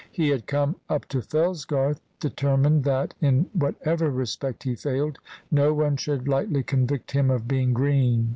He had come up to Fellsgarth determined that, in whatever respect he failed, no one should lightly convict him of being green.